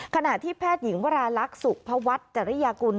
ขณะที่แพทย์หญิงวรารักษ์ศุกร์พระวัตน์จริยากุล